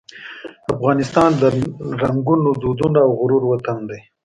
افغانستان د رنګونو، دودونو او غرور وطن دی.